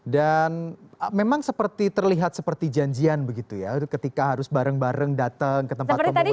dan memang seperti terlihat seperti janjian begitu ya ketika harus bareng bareng datang ke tempat pemungutan suara